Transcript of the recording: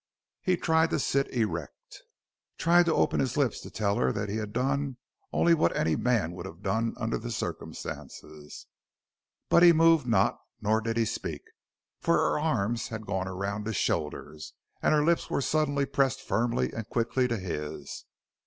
He tried to sit erect; tried to open his lips to tell her that he had done only what any man would have done under the circumstances. But he moved not, nor did he speak, for her arms had gone around his shoulders, and her lips were suddenly pressed firmly and quickly to his.